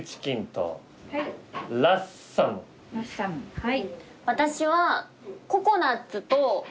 はい。